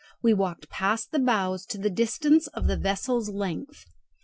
We walked past the bows to the distance of the vessel's length.